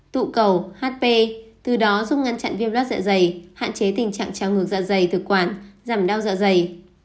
tụ cầu hp từ đó giúp ngăn chặn viêm gan dạ dày hạn chế tình trạng trao ngược dạ dày thực quản giảm đau dạ dày